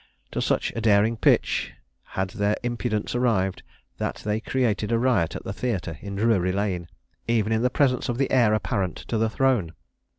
To such a daring pitch had their impudence arrived, that they created a riot at the theatre in Drury Lane, even in the presence of the heir apparent to the throne.